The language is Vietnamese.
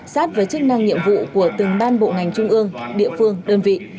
sát với chức năng nhiệm vụ của từng ban bộ ngành trung ương địa phương đơn vị